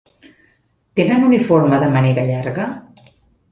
Tenen uniforme de màniga llarga?